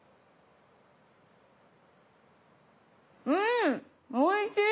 うんおいしい！